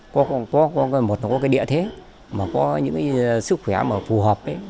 có một nó có cái địa thế mà có những cái sức khỏe mà phù hợp